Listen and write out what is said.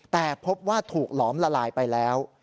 แต่พบว่าถูกหลอมละลายไปแล้ว